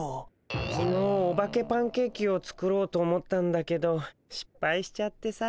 きのうオバケパンケーキを作ろうと思ったんだけどしっぱいしちゃってさ。